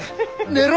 寝ろ！